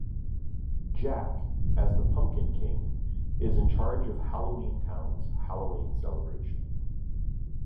Jack, as the Pumpkin King, is in charge of Halloween Town's Halloween celebration.